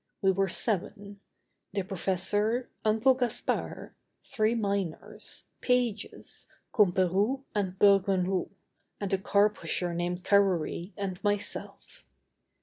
We were seven: the professor, Uncle Gaspard, three miners, Pages, Comperou and Bergounhoux, and a car pusher named Carrory, and myself.